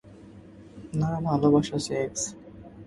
না, ভালবাসা - সেক্স।